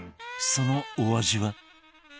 そのお味は？